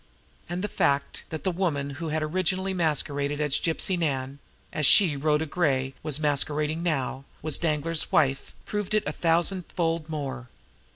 And the fact that the woman who had originally masqueraded as Gypsy Nan as she, Rhoda Gray, was masquerading now was Danglar's wife, proved it a thousandfold more.